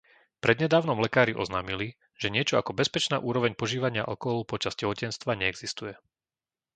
Prednedávnom lekári oznámili, že niečo ako bezpečná úroveň požívania alkoholu počas tehotenstva neexistuje.